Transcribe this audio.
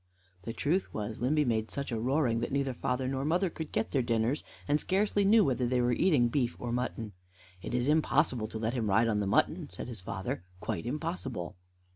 The truth was, Limby made such a roaring that neither father nor mother could get their dinners, and scarcely knew whether they were eating beef or mutton. "It is impossible to let him ride on the mutton," said his father "quite impossible!"